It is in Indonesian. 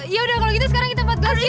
yaudah kalo gitu sekarang kita buat garis yuk